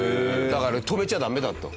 だから止めちゃダメだと。